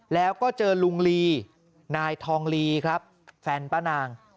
แล้วก็เจอลุงลีนายทองลีครับแฟนป้านาง